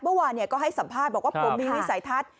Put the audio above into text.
เมื่อวานก็ให้สัมภาษณ์บอกว่าผมมีวิสัยทัศน์